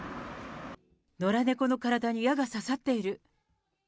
野良猫の体に矢が刺さっている。